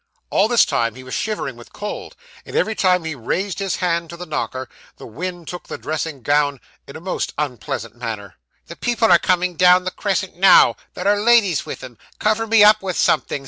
All this time he was shivering with cold; and every time he raised his hand to the knocker, the wind took the dressing gown in a most unpleasant manner. 'The people are coming down the crescent now. There are ladies with 'em; cover me up with something.